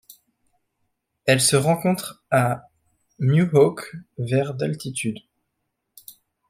Elle se rencontre à Mwe Hauk vers d'altitude.